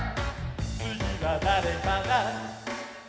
「つぎはだれかな？」